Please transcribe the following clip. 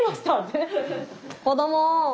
子ども。